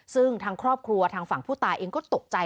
ซึ่งทางครอบครัวทางฝั่งผู้ตายเองก็ตกใจ